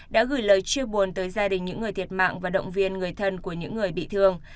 đã gửi lời chia buồn tới gia đình những người thiệt mạng và động viên người thân của những người bị thương